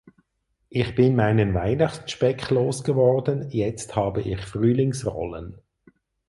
Ich bin meinen Weihnachtsspeck losgeworden, jetzt habe ich Frühlingsrollen.